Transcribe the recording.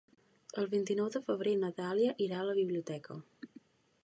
El vint-i-nou de febrer na Dàlia irà a la biblioteca.